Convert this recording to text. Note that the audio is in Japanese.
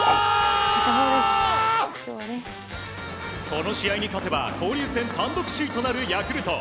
この試合に勝てば交流戦単独首位となるヤクルト。